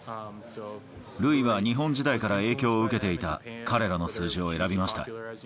塁は日本時代から影響を受けていた彼らの数字を選びました。